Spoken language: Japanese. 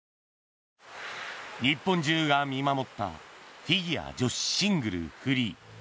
日本中が見守ったフィギュア女子シングルフリー。